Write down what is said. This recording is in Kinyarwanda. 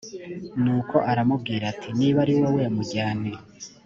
nuko aramubwira ati niba ari wowe wamujyanye